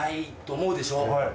思うでしょ？